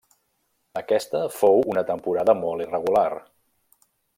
Aquesta fou una temporada molt irregular.